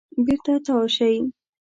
بېرته تاو شئ .